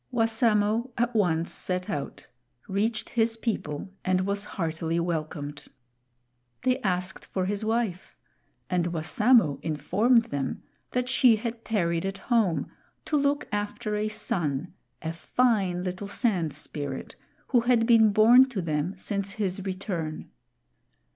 Wassamo at once set out, reached his people, and was heartily welcomed. They asked for his wife, and Wassamo informed them that she had tarried at home to look after a son, a fine little Sand Spirit, who had been born to them since his return.